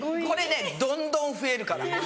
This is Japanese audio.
これねどんどん増えるから。